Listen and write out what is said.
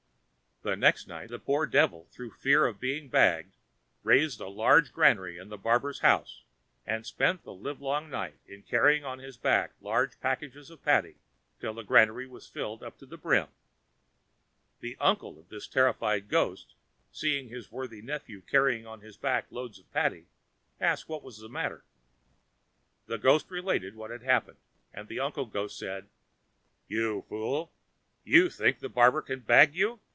The next night the poor devil, through fear of being bagged, raised a large granary in the barber's house, and spent the live long night in carrying on his back large packages of paddy till the granary was filled up to the brim. The uncle of this terrified ghost, seeing his worthy nephew carrying on his back loads of paddy, asked what the matter was. The ghost related what had happened. The uncle ghost then said, "You fool, you think the barber can bag you!